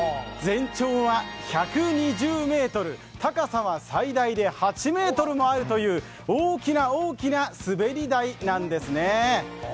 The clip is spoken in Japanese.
全長は１２０ｍ、高さは最大で８ｍもあるという大きな大きな滑り台なんですね。